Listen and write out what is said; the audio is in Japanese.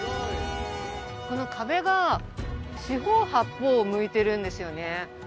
この壁が四方八方を向いてるんですよね